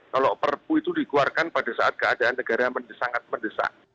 kalau perpu itu dikeluarkan pada saat keadaan negara yang sangat mendesak